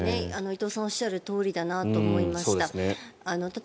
伊藤さんがおっしゃるとおりだなと思いました。